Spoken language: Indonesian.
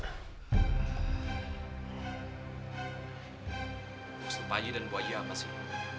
maksud pakji dan buahji apa sih